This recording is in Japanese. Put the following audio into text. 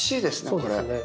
これ。